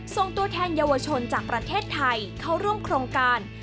ส่งตัวแทนเยาวชนจากประเทศไทยเข้าร่วมโครงการ